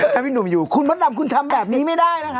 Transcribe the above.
ถ้าพี่หนุ่มอยู่คุณมดดำคุณทำแบบนี้ไม่ได้นะคะ